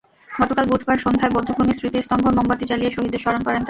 গতকাল বুধবার সন্ধ্যায় বধ্যভূমির স্মৃতিস্তম্ভে মোমবাতি জ্বালিয়ে শহীদদের স্মরণ করেন তাঁরা।